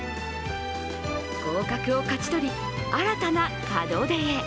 合格を勝ち取り新たな門出へ。